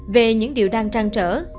về những điều đang trang trở